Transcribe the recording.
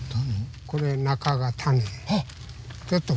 これ中が種。